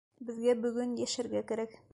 Беҙгә бөгөн йәшәргә кәрәк.